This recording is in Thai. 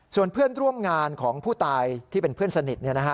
ส่วนเพื่อนร่วมงานของผู้ตายที่เป็นเพื่อนสนิท